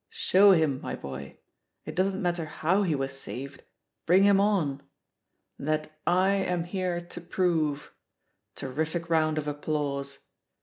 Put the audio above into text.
Show him, my boy; it doesn't matter how he was saved, bring him on: *That I am here to prove !' Terrific round of applause.